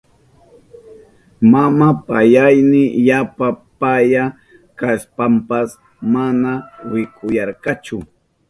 Mama payayni yapa paya kashpanpas mana wiskuyarkachu.